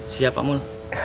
siap pak mul